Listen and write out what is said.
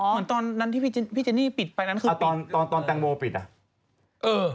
เหมือนตอนนั้นที่พี่เจนี่ปิดไปนั้นคือเอาตอนตอนแตงโมปิดอ่ะเออ